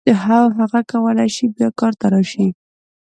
هو هغه کولای شي بیا کار ته راشي.